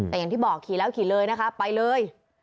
แต่อย่างที่บอกขี่แล้วขี่เลยนะคะไปเลย